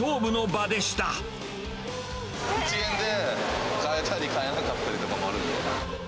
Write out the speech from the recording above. １円で、買えたり、買えなかったりとかもあるんで。